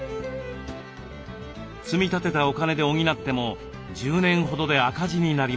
積み立てたお金で補っても１０年ほどで赤字になります。